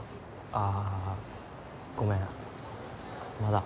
ああごめんまだ。